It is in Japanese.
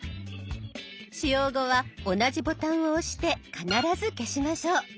使用後は同じボタンを押して必ず消しましょう。